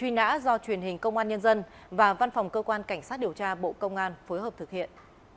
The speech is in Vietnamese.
truy nã do truyền hình công an nhân dân và văn phòng cơ quan cảnh sát điều tra bộ công an phối hợp thực hiện